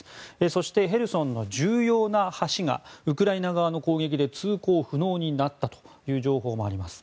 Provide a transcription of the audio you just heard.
そしてヘルソンの重要な橋がウクライナ側の攻撃で通行不能になったという情報もあります。